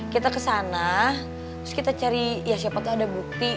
kita ke sana kita cari ya siapa ada bukti